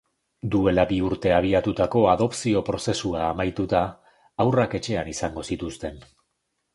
Duela bi urte abiatutako adopzio prozesua amaituta, haurrak etxean izango zituzten.